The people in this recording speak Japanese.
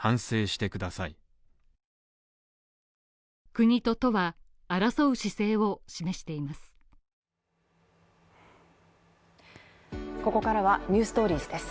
国と都は争う姿勢を示しています。